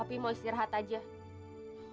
opi mau istirahat aja